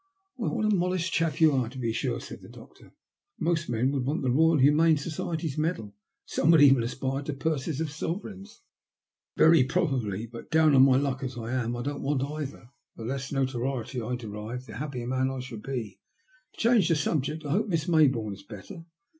'* Why, what a modest chap you are, to be sure," said the doctor. Most men would want the Boyal Humane Society's medal, and some would even aspire to purses of sovereigns." " Very probably. But down on my luck, as I am, I don't want either. The less notoriety I derive, the happier man I shall be. To change the subject, I hope Miss Mayboume is better?"